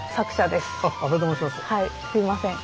すみません。